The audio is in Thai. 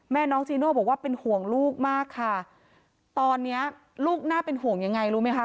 น้องจีโน่บอกว่าเป็นห่วงลูกมากค่ะตอนเนี้ยลูกน่าเป็นห่วงยังไงรู้ไหมคะ